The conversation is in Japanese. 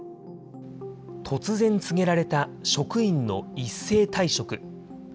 突然告げられた職員の一斉退職。